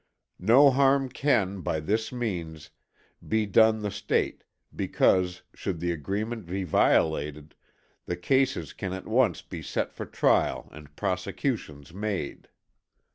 No harm can, by this means, be done the State, because, should the agreement be violated, the cases can at once be set for trial and prosecutions made.